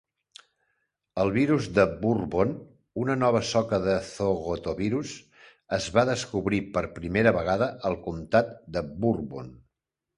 El virus de Bourbon, una nova soca de thogotovirus, es va descobrir per primera vegada al comtat de Bourbon.